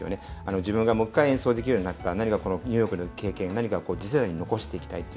自分がもう一回演奏できるようになったニューヨークの経験を何か次世代に残していきたい。